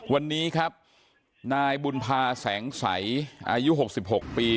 วันนี้ครับนายบุญภาแสงสัยอายุ๖๖ปี